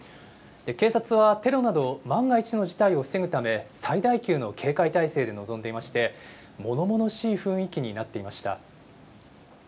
警察はテロなど万が一の事態を防ぐため、最大級の警戒態勢で臨んでいまして、ものものしい雰囲気になっていました。